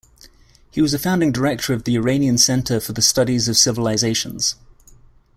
He was a founding director of the Iranian Center for the Studies of Civilizations.